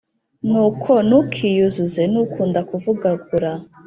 nuko ntukiyuzuze n’ukunda kuvugagura